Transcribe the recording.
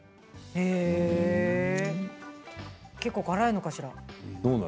結構、辛いのかしら？